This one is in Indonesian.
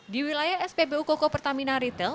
di wilayah spbu koko pertamina retail